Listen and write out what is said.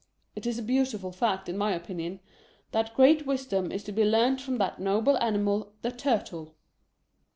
It is a beautiful fact, in my opinion, that great wisdom is to be learned from that noble animal the Turtle.